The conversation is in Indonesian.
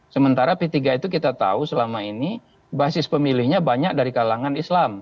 sementara p tiga itu kita tahu selama ini basis pemilihnya banyak dari kalangan islam